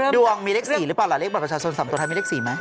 ดวงมีเลข๔หรือเปล่าล่ะเลขบรรพชาติสำคัญถ้ามีเลข๔ไหม